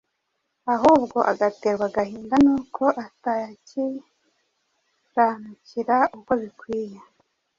ahubwo agaterwa agahinda n’uko atayakiranukira ukwo bikwiriye.